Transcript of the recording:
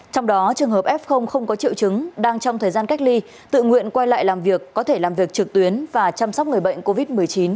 trong đó trường hợp f không có triệu chứng đang trong thời gian cách ly tự nguyện quay lại làm việc có thể làm việc trực tuyến và chăm sóc người bệnh covid một mươi chín